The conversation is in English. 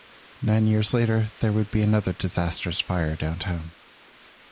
Nine years later there would be another disastrous fire downtown.